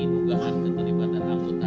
dugaan ketelipatan amputan